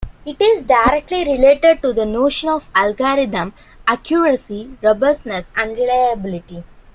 It is directly related to the notion of algorithm accuracy, robustness, and reliability.